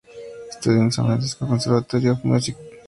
Estudió en el San Francisco Conservatory of Music.